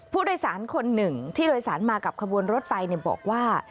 ผู้โดยสารคนหนึ่งที่โดยสารมากับขบวนรถไฟบอกว่า